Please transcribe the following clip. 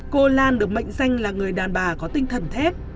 cô lan được mệnh danh là người đàn bà có tinh thần thép